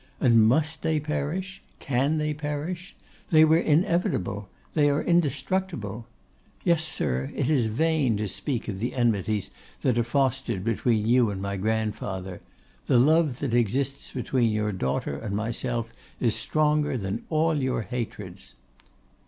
And must they perish? Can they perish? They were inevitable; they are indestructible. Yes, sir, it is in vain to speak of the enmities that are fostered between you and my grandfather; the love that exists between your daughter and myself is stronger than all your hatreds.